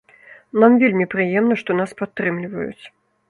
Нам вельмі прыемна, што нас падтрымліваюць.